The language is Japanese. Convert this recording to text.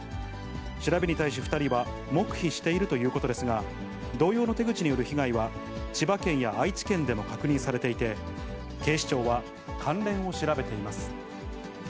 調べに対し、２人は黙秘しているということですが、同様の手口による被害は千葉県や愛知県でも確認されていて、警視庁は関連を調べています。